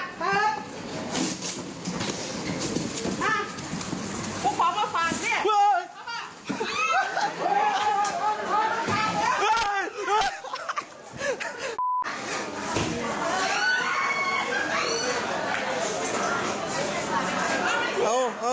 พ่อบ้านต้องเป็นน่าี่ว่าลูกน้องท่าแหละโครงด้วย